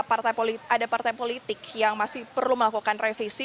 ada partai politik yang masih perlu melakukan revisi